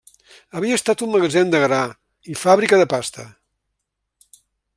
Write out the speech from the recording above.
Havia estat un magatzem de gra i fàbrica de pasta.